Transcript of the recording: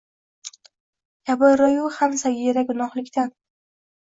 Kabira-yu ham sagira gunohlikdan